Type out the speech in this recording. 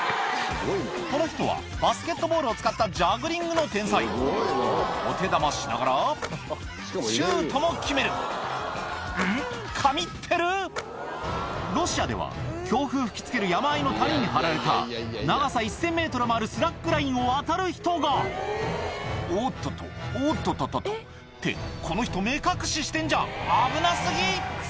この人はバスケットボールを使ったジャグリングの天才お手玉しながらシュートも決めるん神ってるロシアでは強風吹き付ける山あいの谷に張られた長さ１０００ｍもあるスラックラインを渡る人が「おっとっとおっとっとっと」ってこの人目隠ししてんじゃん危な過ぎ！